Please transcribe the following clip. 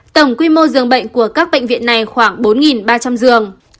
tổng quy mô dường bệnh của các bệnh viện này khoảng bốn ba trăm linh giường